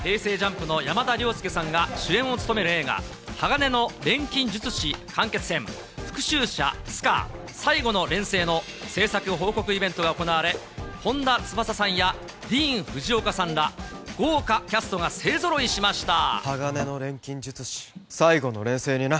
ＪＵＭＰの山田涼介さんが主演を務める映画、鋼の錬金術師完結編復讐者スカー／最後の錬成の製作報告イベントが行われ、本田翼さんやディーン・フジオカさんら、豪華キャストが勢ぞろいしました。